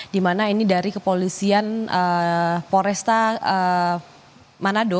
dimana ini dari kepolisian polresta manado